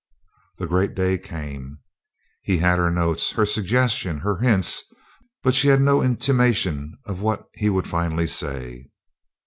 The great day came. He had her notes, her suggestions, her hints, but she had no intimation of what he would finally say.